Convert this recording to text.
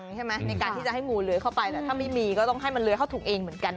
ในการที่จะให้งูเลื้อยเข้าไปแหละถ้าไม่มีก็ต้องให้มันเลื้อยเข้าถุงเองเหมือนกัน